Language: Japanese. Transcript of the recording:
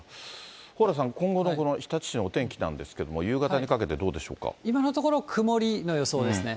蓬莱さん、今後の日立市のお天気なんですけど、夕方にかけて今のところ曇りの予想ですね。